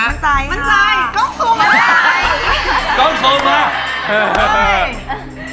กล้องซูมมาได้